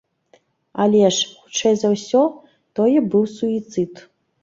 Але ж, хутчэй за ўсё, тое быў суіцыд.